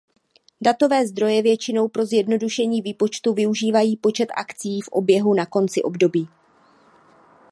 Datové zdroje většinou pro zjednodušení výpočtu využívají počet akcií v oběhu na konci období.